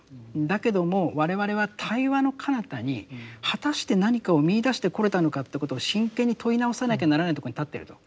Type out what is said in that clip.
だけども我々は対話のかなたに果たして何かを見いだしてこれたのかってことを真剣に問い直さなきゃならないとこに立ってると。